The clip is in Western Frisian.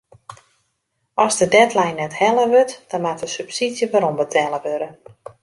As de deadline net helle wurdt dan moat de subsydzje werombetelle wurde.